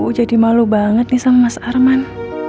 aku jadi malu banget nih sama mas arman